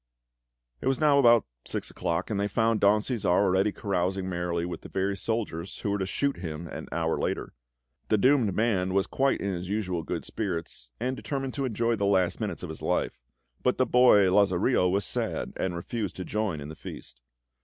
It was now about six o'clock; and they found Don Cæsar already carousing merrily with the very soldiers who were to shoot him an hour later. The doomed man was quite in his usual good spirits, and determined to enjoy the last minutes of his life; but the boy, Lazarillo, was sad, and refused to join in the feast.